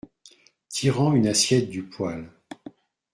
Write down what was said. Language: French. Tirant une assiette du poêle.